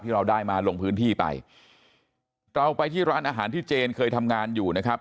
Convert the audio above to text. เราได้มาลงพื้นที่ไปเราไปที่ร้านอาหารที่เจนเคยทำงานอยู่นะครับ